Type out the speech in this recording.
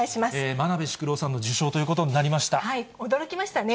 真鍋淑郎さんの受賞というこ驚きましたね。